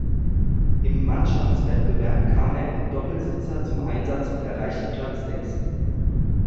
Im Mannschaftswettbewerb kam er im Doppelsitzer zum Einsatz und erreichte Platz sechs.